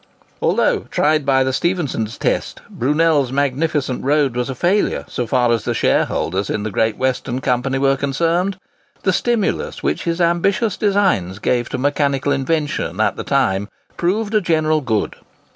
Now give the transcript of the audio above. Although, tried by the Stephenson test, Brunel's magnificent road was a failure so far as the shareholders in the Great Western Company were concerned, the stimulus which his ambitious designs gave to mechanical invention at the time proved a general good.